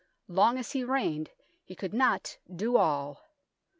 Long as he reigned, he could not do all.